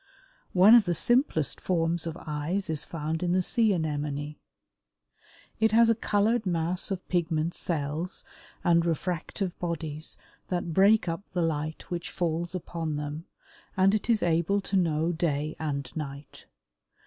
One the simplest forms of eyes is found in the Sea anemone. It has a colored mass of pigment cells and refractive bodies that break up the light which falls upon them, and it is able to know day and night.